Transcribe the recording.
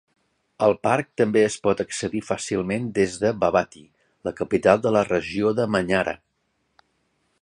El parc també es pot accedir fàcilment des de Babati, la capital de la regió de Manyara.